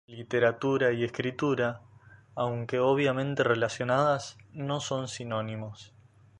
Literatura y escritura, aunque obviamente relacionadas, no son sinónimos.